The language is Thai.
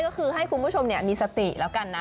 ก็คือให้คุณผู้ชมมีสติแล้วกันนะ